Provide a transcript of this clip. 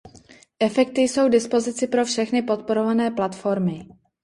Efekty jsou k dispozici pro všechny podporované platformy.